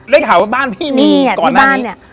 ได้ข่าวว่าบ้านพี่มีก่อนหน้านี้